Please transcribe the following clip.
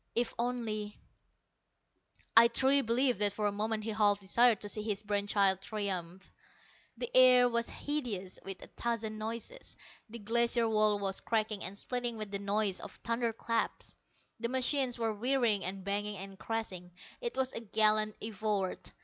"If only " I truly believe that for a moment he half desired to see his brain child triumph. The air was hideous with a thousand noises. The Glacier wall was cracking and splitting with the noise of thunderclaps; the machines were whirring and banging and crashing. It was a gallant effort!